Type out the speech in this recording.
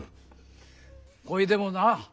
ほいでもな